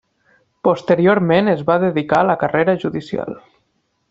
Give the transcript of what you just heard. Posteriorment es va dedicar a la carrera judicial.